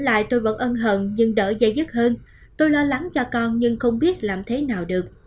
lại tôi vẫn ân hận nhưng đỡ dây dứt hơn tôi lo lắng cho con nhưng không biết làm thế nào được